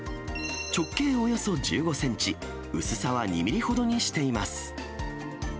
直径およそ１５センチ、薄さは２ミリほどにしています。